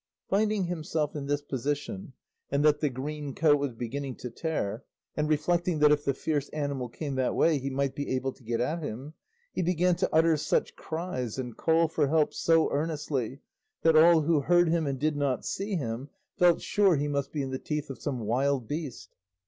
Finding himself in this position, and that the green coat was beginning to tear, and reflecting that if the fierce animal came that way he might be able to get at him, he began to utter such cries, and call for help so earnestly, that all who heard him and did not see him felt sure he must be in the teeth of some wild beast.